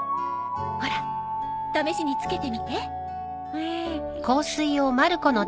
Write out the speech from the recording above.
ほら試しに付けてみて。